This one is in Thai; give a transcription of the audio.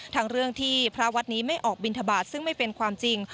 ทั้งเรื่องที่พระวัดนี้ไม่ออกบินทบาทซึ่งไม่เป็นความจริง